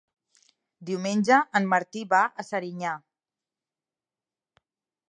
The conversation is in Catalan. Diumenge en Martí va a Serinyà.